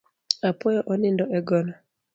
Apuoyo onindo e gono